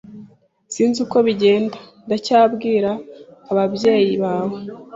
Sinzi uko bigenda, ndacyabwira ababyeyi bawe.